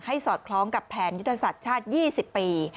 ให้สอดคล้องกับแผนวิทยาลัยศาสตร์ชาติ๒๐ปี